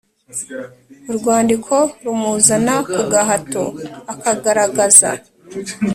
Urwandiko rumuzana ku gahato akagaragaza